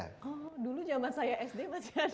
oh dulu jaman saya sd masih ada